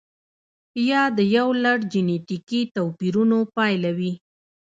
یا د یو لړ جنتیکي توپیرونو پایله وي.